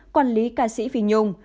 quản lý ca sĩ phi nhung